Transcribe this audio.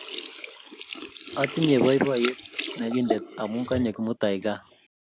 Atinye boiboyet nekindet amu kanyo Kimutai gaa